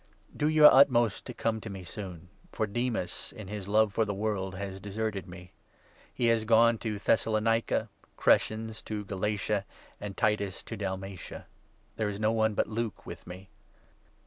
III.— CONCLUSION. Do your utmost to come to me soon ; for Demas, M*!*0"*' 'n ^'s ^ove ^or t^ie W01"ld» has deserted me. He has gone to Thessalonica, Crescens to Galatia, and Titus to Dalmatia. There is no one but Luke with me.